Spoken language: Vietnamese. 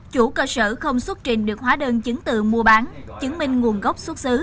chủ cơ sở không xuất trình được hóa đơn chứng từ mua bán chứng minh nguồn gốc xuất xứ